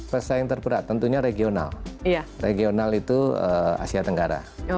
pesaing terberat tentunya regional regional itu asia tenggara